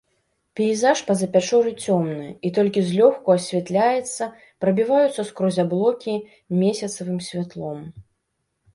Пейзаж па-за пячоры цёмны, і толькі злёгку асвятляецца прабіваюцца скрозь аблокі месяцавым святлом.